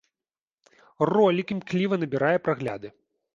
Ролік імкліва набірае прагляды.